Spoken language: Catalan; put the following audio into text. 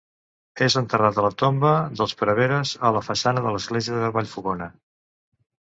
És enterrat a la tomba dels preveres, a la façana de l'església de Vallfogona.